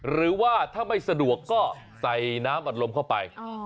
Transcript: หรือว่าถ้าไม่สะดวกก็ใส่น้ำอัดลมเข้าไป